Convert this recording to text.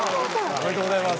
ありがとうございます。